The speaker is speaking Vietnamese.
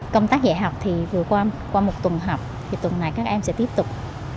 công tác dạy học thì vừa qua qua một tuần học thì tuần này các em sẽ tiếp tục